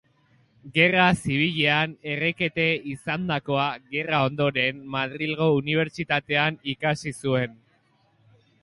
Gerra Zibilean errekete izandakoa, gerra ondoren Madrilgo Unibertsitatean ikasi zuen.